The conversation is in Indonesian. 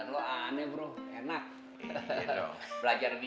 supaya rupanya sudah habis